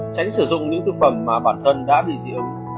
tránh sử dụng những thực phẩm mà bản thân đã bị dị ứng